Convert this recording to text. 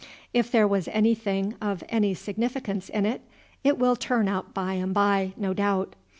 If there was anything of any significance in it, it will turn up by and by, no doubt.